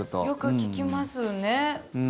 よく聞きますね。